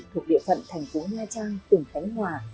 thuộc địa phận thành phố nha trang tỉnh khánh hòa